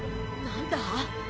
何だ？